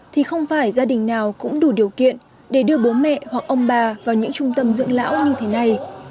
thì không phải gia đình nào cũng đủ điều kiện để đưa bố mẹ hoặc ông bà vào những trung tâm dưỡng lão như thế này